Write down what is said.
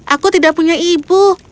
aku tidak punya ibu